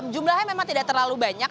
jumlahnya memang tidak terlalu banyak